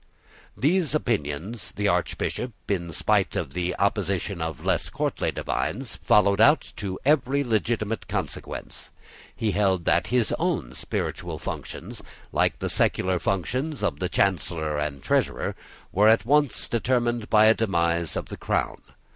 These opinions the Archbishop, in spite of the opposition of less courtly divines, followed out to every legitimate consequence. He held that his own spiritual functions, like the secular functions of the Chancellor and Treasurer, were at once determined by a demise of the crown.